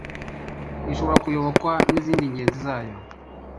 ishobora kuyobokwa n'izindi ngenzi zayo